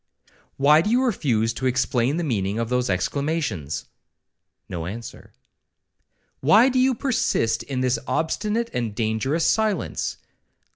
'Why do you refuse to explain the meaning of those exclamations?'—No answer. 'Why do you persist in this obstinate and dangerous silence?